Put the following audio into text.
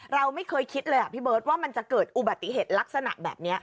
เราไม่เคยคิดเลยพี่เบิร์ตว่ามันจะเกิดอุบัติเหตุลักษณะแบบนี้